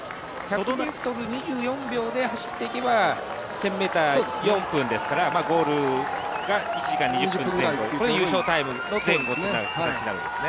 ２４秒で走って行けば１０００ｍが４分ですから、ゴールが１時間２０分前後優勝タイム前後ということになるんですね。